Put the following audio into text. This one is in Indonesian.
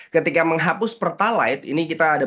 ketika menghapus pertalat ini kita ada beberapa